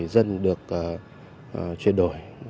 dân được chuyển đổi